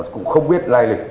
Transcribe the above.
cũng không biết lai lịch